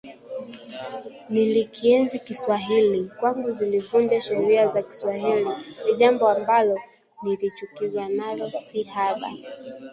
Nilikienzi Kiswahili, Kwangu kuzivunja sheria za Kiswahili ni jambo ambalo nilichukizwa nalo si haba